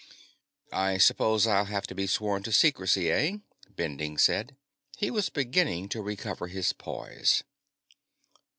"I suppose I'll have to be sworn to secrecy, eh?" Bending asked. He was beginning to recover his poise.